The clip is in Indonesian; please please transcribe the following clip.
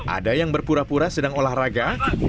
ada yang berpura pura sedang olahraga